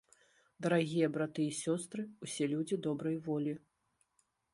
Дарагія браты і сёстры, усе людзі добрай волі!